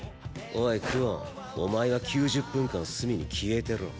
おい久遠お前は９０分間隅に消えてろ。